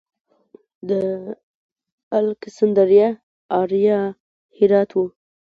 د الکسندریه اریا هرات و